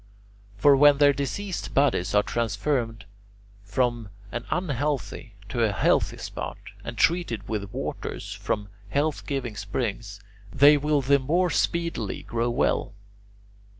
For when their diseased bodies are transferred from an unhealthy to a healthy spot, and treated with waters from health giving springs, they will the more speedily grow well.